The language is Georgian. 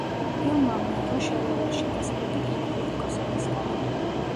ფილმმა მიიღო შერეული შეფასებები კინოკრიტიკოსებისგან.